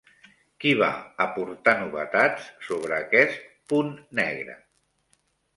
Qui va aportar novetats sobre aquest punt negre?